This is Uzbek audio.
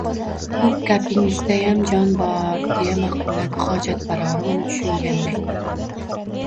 -Bu gapingizdayam jon bor, — deya ma’qulladi “xojatbarori” uni tushunganday.